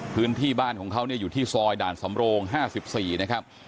พื้นที่บ้านของเขาอยู่ที่ซอยด่านสำโรง๕๔นะครับ